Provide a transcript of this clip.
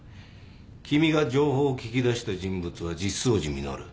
君が情報を聞き出した人物は実相寺実。